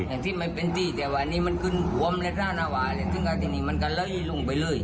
ยังที่ไม่เป็นที่แต่วันนี้มันคืนบริษัทนาวามันก็เลิกลงไปเลย